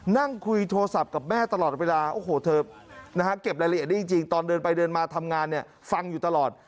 นั่งคุยโทรศัพท์กับแม่ตลอดเวลาโอ้โหเธอนะฮะเก็บรายละเอียดได้จริงตอนเดินไปเดินมาทำงานเนี่ยฟังอยู่ตลอด